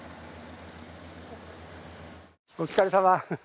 お疲れさま。